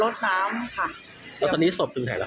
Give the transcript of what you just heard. ตอนนี้ศพถึงไหนล่ะครับ